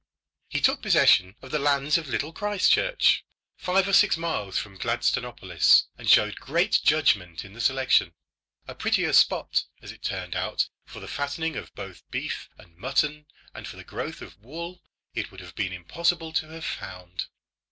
He took possession of the lands of Little Christchurch, five or six miles from Gladstonopolis, and showed great judgment in the selection. A prettier spot, as it turned out, for the fattening of both beef and mutton and for the growth of wool, it would have been impossible to have found.